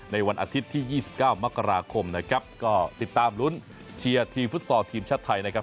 วันอาทิตย์ที่๒๙มกราคมนะครับก็ติดตามลุ้นเชียร์ทีมฟุตซอลทีมชาติไทยนะครับ